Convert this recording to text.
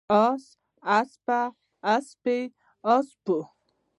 اس، اسپه، اسپې، اسپو